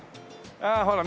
ああほら。